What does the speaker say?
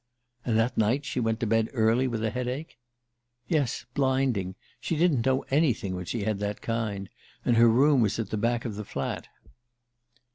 "And that night she went to bed early with a headache?" "Yes blinding. She didn't know anything when she had that kind. And her room was at the back of the flat."